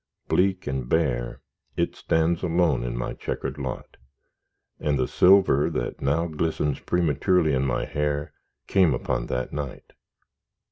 Bleak and bare it stands alone, in my checkered lot, and the silver that now glistens prematurely in my hair, came upon that night.